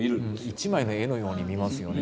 一枚の絵のように見えますよね。